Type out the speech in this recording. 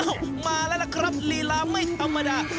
เอ้ามาแล้วล่ะครับเหลี่ยลาไม่ธรรมดา